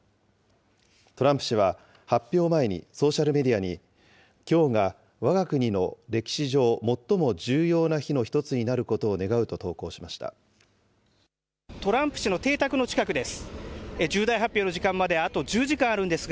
トランプ氏は発表前にソーシャルメディアに、きょうがわが国の歴史上、最も重要な日の一つになるトランプ氏の邸宅の近くです。